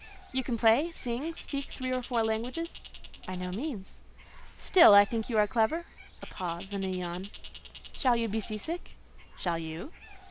"You can play, sing, speak three or four languages?" "By no means." "Still I think you are clever" (a pause and a yawn). "Shall you be sea sick?" "Shall you?"